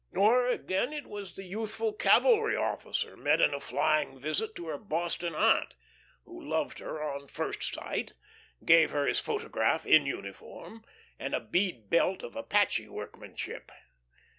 Or, again, it was the youthful cavalry officer met in a flying visit to her Boston aunt, who loved her on first sight, gave her his photograph in uniform and a bead belt of Apache workmanship.